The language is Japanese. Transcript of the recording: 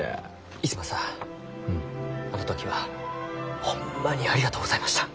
逸馬さんあの時はホンマにありがとうございました。